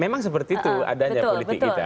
memang seperti itu adanya politik kita